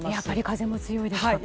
風も強いですか？